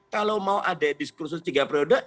kalau mau ada diskursus tiga periode